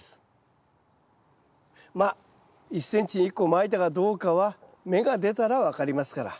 まあ１ｃｍに１個まいたかどうかは芽が出たら分かりますから。